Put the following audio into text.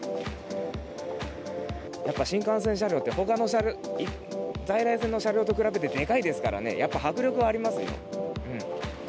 やっぱ新幹線車両って、ほかの、在来線の車両と比べてでかいですからね、やっぱ迫力ありますよ。